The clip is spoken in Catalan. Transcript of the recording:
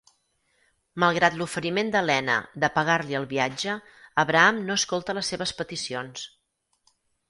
Malgrat l'oferiment d'Helena de pagar-li el viatge, Abraham no escolta les seves peticions.